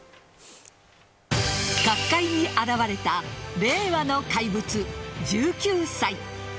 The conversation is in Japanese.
角界に現れた令和の怪物、１９歳。